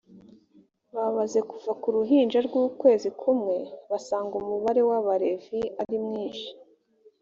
babaze kuva ku ruhinja rw’ukwezi kumwe, basanga umubare w’abalevi ari mwinshi